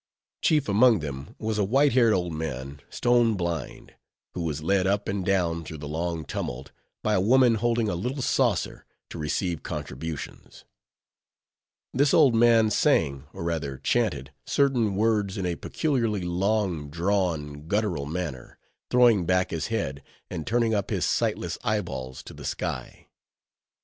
Chief among them was a white haired old man, stone blind; who was led up and down through the long tumult by a woman holding a little saucer to receive contributions. This old man sang, or rather chanted, certain words in a peculiarly long drawn, guttural manner, throwing back his head, and turning up his sightless eyeballs to the sky.